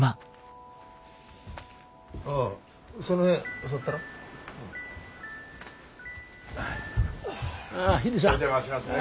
お邪魔しますね。